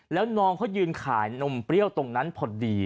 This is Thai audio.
แล้วน้องเขายืนขายนมเปรี้ยวตรงนั้นพอดี